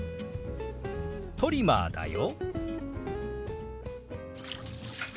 「トリマーだよ」。